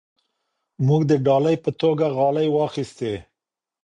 موږ د ډالۍ په توګه غالۍ واخیستې.